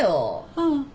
うん。